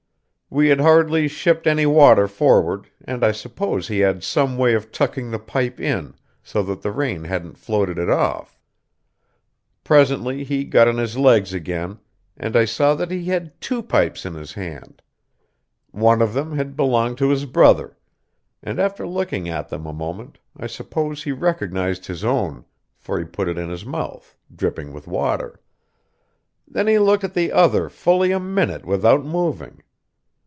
We had hardly shipped any water forward, and I suppose he had some way of tucking the pipe in, so that the rain hadn't floated it off. Presently he got on his legs again, and I saw that he had two pipes in his hand. One of them had belonged to his brother, and after looking at them a moment I suppose he recognised his own, for he put it in his mouth, dripping with water. Then he looked at the other fully a minute without moving.